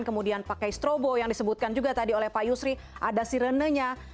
kemudian pakai strobo yang disebutkan juga tadi oleh pak yusri ada sirenenya